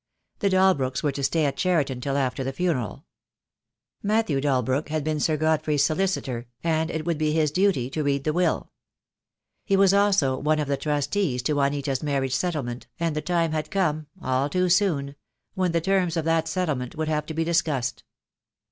The Dalbrooks were to stay at Cheriton till after the funeral. Matthew Dalbrook had been Sir Godfrey's solicitor, and it would be his duty to read the will. He was also one of the trustees to Juanita's marriage settlement, and the time had come — all too soon — when the terms of that settlement would have to be discussed.